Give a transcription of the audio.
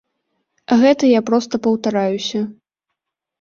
Гэта я проста паўтараюся.